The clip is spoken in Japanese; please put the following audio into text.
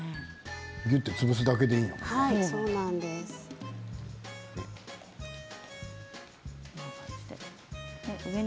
ぎゅっと潰すだけでいいからね。